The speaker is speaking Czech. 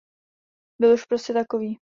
Byl už prostě takový.